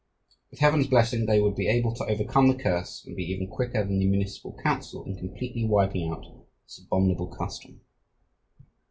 With heaven's blessing they would be able to overcome the curse and be even quicker than the Municipal Council in completely wiping out this abominable custom.